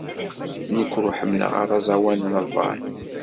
Nekk ur ḥemmleɣ ara aẓawan n ṛṛay.